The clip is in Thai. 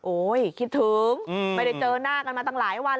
คิดถึงไม่ได้เจอหน้ากันมาตั้งหลายวัน